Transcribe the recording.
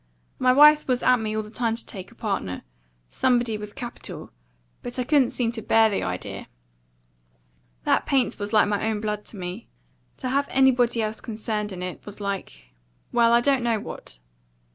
My wife was at me all the time to take a partner somebody with capital; but I couldn't seem to bear the idea. That paint was like my own blood to me. To have anybody else concerned in it was like well, I don't know what.